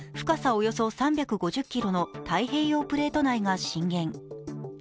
およそ３５０ｋｍの太平洋プレート内が震源。